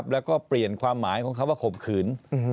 แล้วก็เปลี่ยนความหมายของเขาว่าข่มขืน